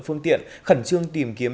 phương tiện khẩn trương tìm kiếm